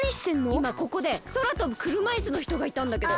いまここでそらとぶくるまいすのひとがいたんだけど！